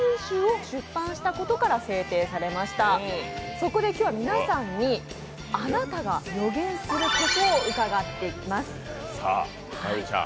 そこで今日は皆さんにあなたが予言することを伺っていきます。